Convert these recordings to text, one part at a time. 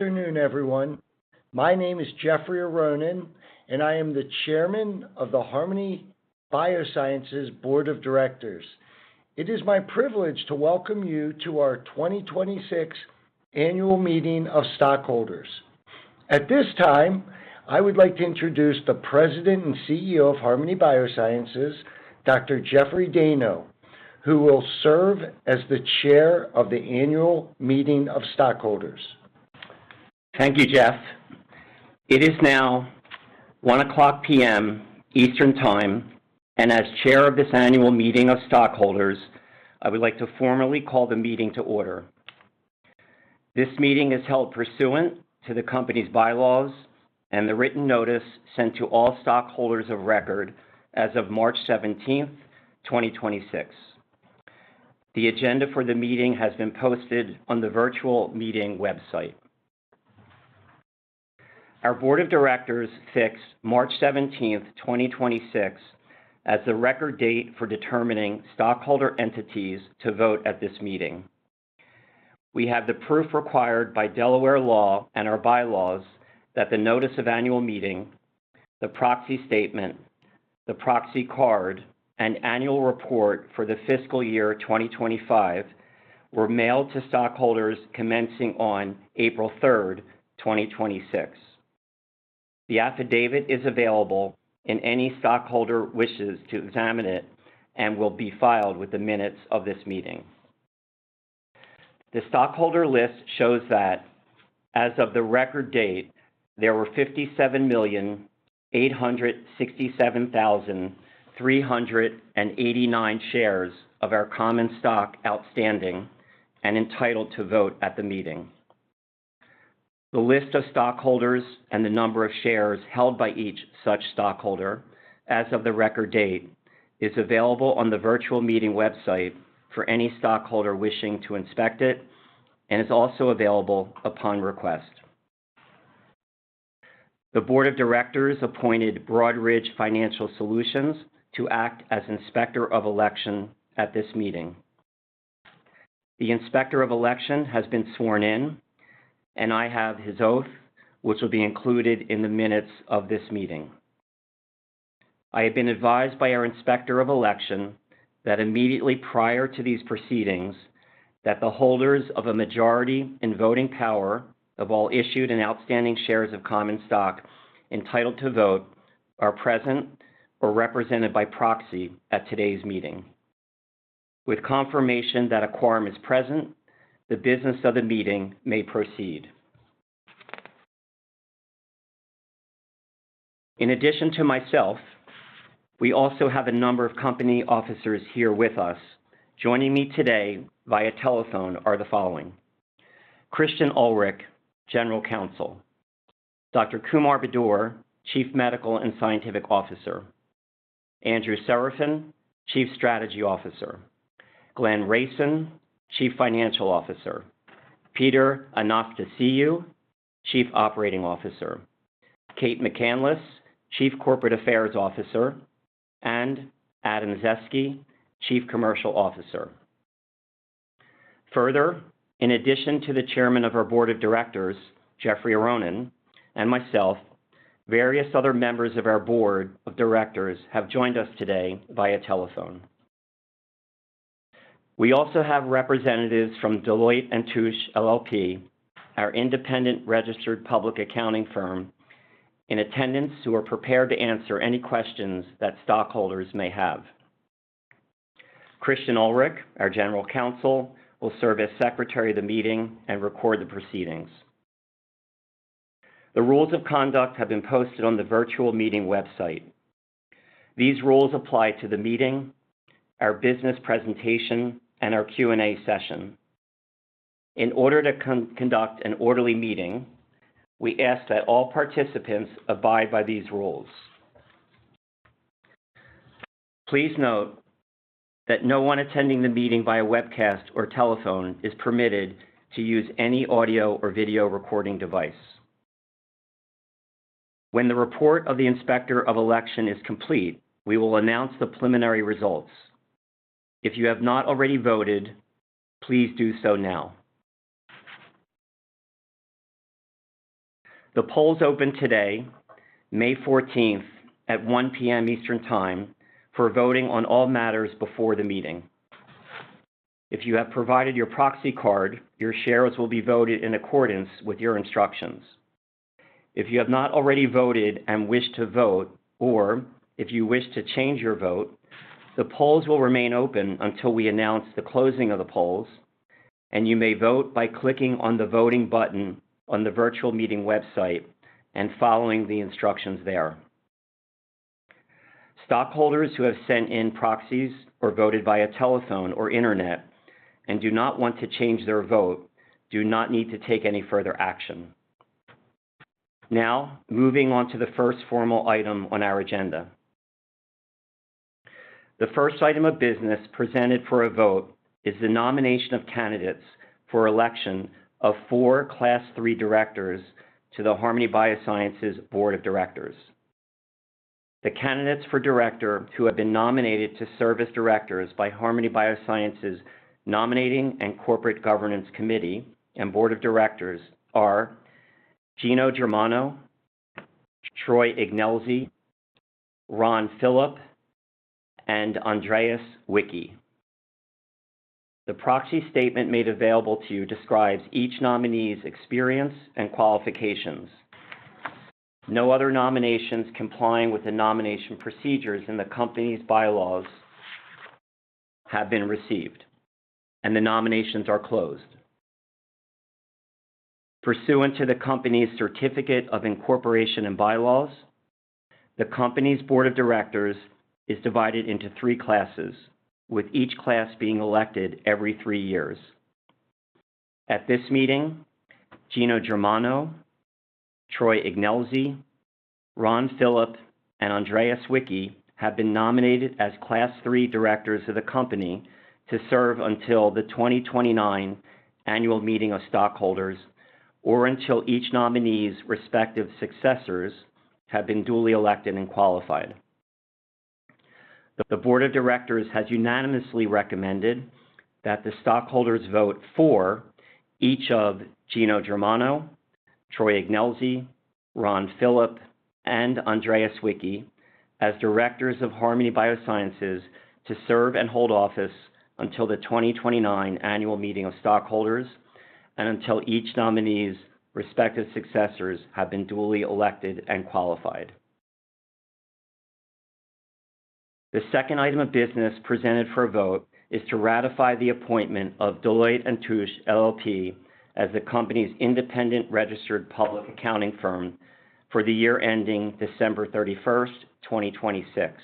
Afternoon, everyone. My name is Jeffrey Aronin, and I am the Chairman of the Harmony Biosciences Board of Directors. It is my privilege to welcome you to our 2026 Annual Meeting of Stockholders. At this time, I would like to introduce the President and CEO of Harmony Biosciences, Dr. Jeffrey Dayno, who will serve as the Chair of the Annual Meeting of Stockholders. Thank you, Jeff. It is now 1:00 P.M. Eastern Time, and as Chair of this Annual Meeting of Stockholders, I would like to formally call the meeting to order. This meeting is held pursuant to the company's bylaws and the written notice sent to all stockholders of record as of March 17, 2026. The agenda for the meeting has been posted on the virtual meeting website. Our board of directors fixed March 17, 2026 as the record date for determining stockholder entities to vote at this meeting. We have the proof required by Delaware law and our bylaws that the notice of annual meeting, the proxy statement, the proxy card, and annual report for the fiscal year 2025 were mailed to stockholders commencing on April 3, 2026. The affidavit is available if any stockholder wishes to examine it and will be filed with the minutes of this meeting. The stockholder list shows that as of the record date, there were 57,867,389 shares of our common stock outstanding and entitled to vote at the meeting. The list of stockholders and the number of shares held by each such stockholder as of the record date is available on the virtual meeting website for any stockholder wishing to inspect it and is also available upon request. The board of directors appointed Broadridge Financial Solutions to act as Inspector of Election at this meeting. The Inspector of Election has been sworn in, and I have his oath, which will be included in the minutes of this meeting. I have been advised by our Inspector of Election that immediately prior to these proceedings, that the holders of a majority in voting power of all issued and outstanding shares of common stock entitled to vote are present or represented by proxy at today's meeting. With confirmation that a quorum is present, the business of the meeting may proceed. In addition to myself, we also have a number of company officers here with us. Joining me today via telephone are the following, Christian Ulrich, General Counsel, Dr. Kumar Budur, Chief Medical and Scientific Officer, Andrew Serafin, Chief Strategy Officer, Glenn Reicin, Chief Financial Officer, Peter Anastasiou, Chief Operating Officer, Cate McCanless, Chief Corporate Affairs Officer, and Adam Zaeske, Chief Commercial Officer. Further, in addition to the Chairman of our Board of Directors, Jeffrey Aronin, and myself, various other members of our Board of Directors have joined us today via telephone. We also have representatives from Deloitte & Touche LLP, our independent registered public accounting firm, in attendance who are prepared to answer any questions that stockholders may have. Christian Ulrich, our General Counsel, will serve as Secretary of the meeting and record the proceedings. The rules of conduct have been posted on the virtual meeting website. These rules apply to the meeting, our business presentation, and our Q&A session. In order to conduct an orderly meeting, we ask that all participants abide by these rules. Please note that no one attending the meeting via webcast or telephone is permitted to use any audio or video recording device. When the report of the Inspector of Election is complete, we will announce the preliminary results. If you have not already voted, please do so now. The polls open today, May 14th, at 1:00 P.M. Eastern Time for voting on all matters before the meeting. If you have provided your proxy card, your shares will be voted in accordance with your instructions. If you have not already voted and wish to vote, or if you wish to change your vote, the polls will remain open until we announce the closing of the polls, and you may vote by clicking on the Voting button on the virtual meeting website and following the instructions there. Stockholders who have sent in proxies or voted via telephone or Internet, and do not want to change their vote do not need to take any further action. Now, moving on to the first formal item on our agenda. The first item of business presented for a vote is the nomination of candidates for election of four Class 3 directors to the Harmony Biosciences Board of Directors. The candidates for director who have been nominated to serve as directors by Harmony Biosciences Nominating and Corporate Governance Committee and Board of Directors are Gino Germano, Troy Ignelzi, Ron Philip, and Andreas Wicki. The proxy statement made available to you describes each nominee's experience and qualifications. No other nominations complying with the nomination procedures in the company's bylaws have been received. The nominations are closed. Pursuant to the company's certificate of incorporation and bylaws, the company's board of directors is divided into three classes, with each class being elected every three years. At this meeting, Gino Germano, Troy Ignelzi, Ron Philip, and Andreas Wicki have been nominated as Class 3 directors of the company to serve until the 2029 annual meeting of stockholders, or until each nominee's respective successors have been duly elected and qualified. The board of directors has unanimously recommended that the stockholders vote for each of Gino Germano, Troy Ignelzi, Ron Philip, and Andreas Wicki as directors of Harmony Biosciences to serve and hold office until the 2029 annual meeting of stockholders and until each nominee's respective successors have been duly elected and qualified. The second item of business presented for a vote is to ratify the appointment of Deloitte & Touche LLP as the company's independent registered public accounting firm for the year ending December 31st, 2026.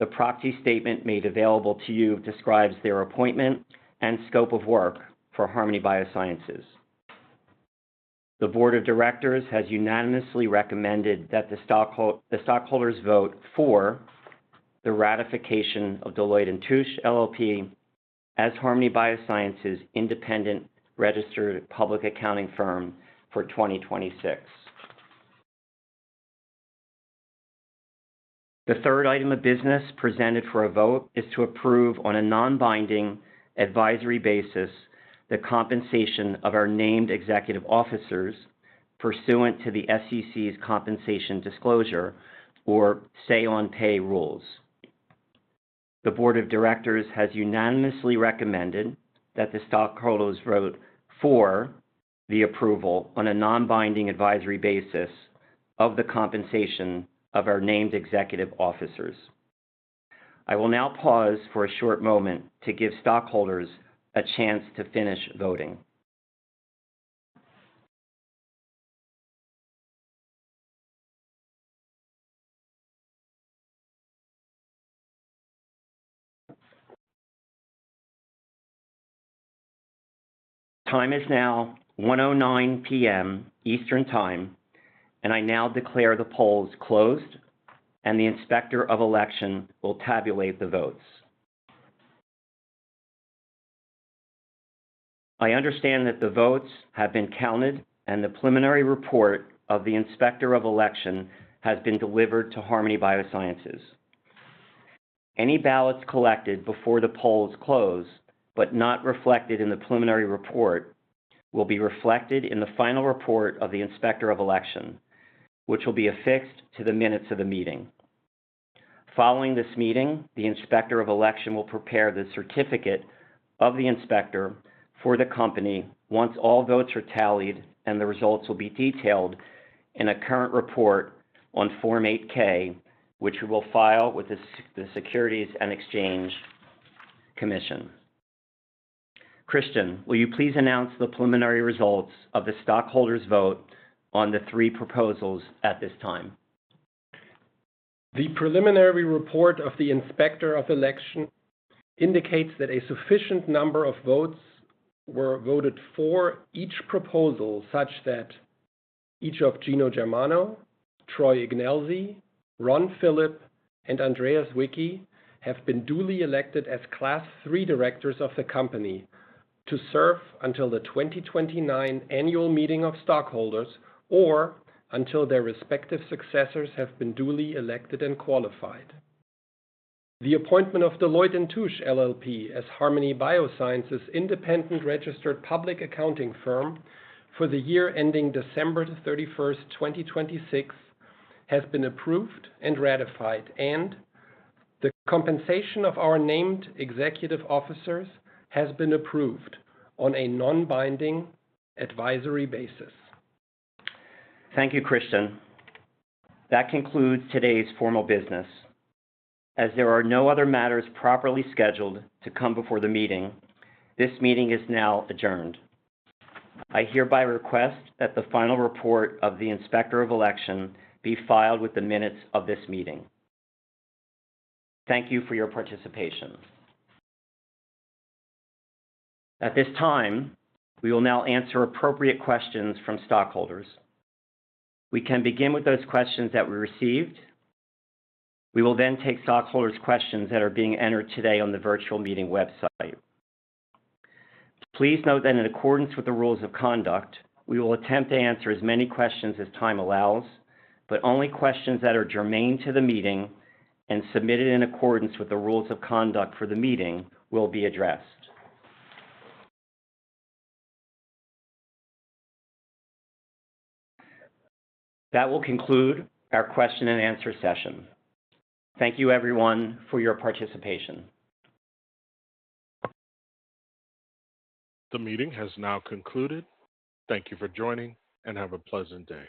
The proxy statement made available to you describes their appointment and scope of work for Harmony Biosciences. The board of directors has unanimously recommended that the stockholders vote for the ratification of Deloitte & Touche LLP as Harmony Biosciences' independent registered public accounting firm for 2026. The third item of business presented for a vote is to approve on a non-binding advisory basis the compensation of our named executive officers pursuant to the SEC's compensation disclosure or Say-on-Pay rules. The board of directors has unanimously recommended that the stockholders vote for the approval on a non-binding advisory basis of the compensation of our named executive officers. I will now pause for a short moment to give stockholders a chance to finish voting. Time is now 1:09 P.M. Eastern Time, and I now declare the polls closed, and the inspector of election will tabulate the votes. I understand that the votes have been counted and the preliminary report of the inspector of election has been delivered to Harmony Biosciences. Any ballots collected before the polls close, but not reflected in the preliminary report, will be reflected in the final report of the inspector of election, which will be affixed to the minutes of the meeting. Following this meeting, the inspector of election will prepare the certificate of the inspector for the company once all votes are tallied, and the results will be detailed in a current report on Form 8-K, which we will file with the Securities and Exchange Commission. Christian, will you please announce the preliminary results of the stockholders' vote on the three proposals at this time? The preliminary report of the inspector of election indicates that a sufficient number of votes were voted for each proposal, such that each of Gino Germano, Troy Ignelzi, Ron Philip, and Andreas Wicki have been duly elected as Class 3 directors of the company to serve until the 2029 annual meeting of stockholders or until their respective successors have been duly elected and qualified. The appointment of Deloitte & Touche LLP as Harmony Biosciences independent registered public accounting firm for the year ending December 31st, 2026, has been approved and ratified. The compensation of our named executive officers has been approved on a non-binding advisory basis. Thank you, Christian. That concludes today's formal business. As there are no other matters properly scheduled to come before the meeting, this meeting is now adjourned. I hereby request that the final report of the inspector of election be filed with the minutes of this meeting. Thank you for your participation. At this time, we will now answer appropriate questions from stockholders. We can begin with those questions that we received. We will then take stockholders' questions that are being entered today on the virtual meeting website. Please note that in accordance with the rules of conduct, we will attempt to answer as many questions as time allows, but only questions that are germane to the meeting and submitted in accordance with the rules of conduct for the meeting will be addressed. That will conclude our question-and-answer session. Thank you everyone for your participation. The meeting has now concluded. Thank you for joining, and have a pleasant day.